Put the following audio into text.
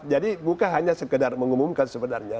jadi bukan hanya sekedar mengumumkan sebenarnya